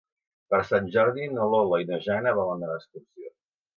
Per Sant Jordi na Lola i na Jana volen anar d'excursió.